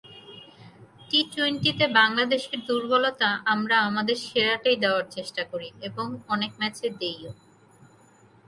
টি-টোয়েন্টিতে বাংলাদেশের দুর্বলতাআমরা আমাদের সেরাটাই দেওয়ার চেষ্টা করি এবং অনেক ম্যাচে দিইও।